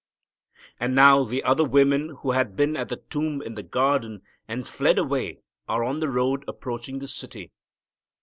And now the other women who had been at the tomb in the garden and fled away are on the road approaching the city.